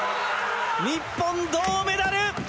日本、銅メダル！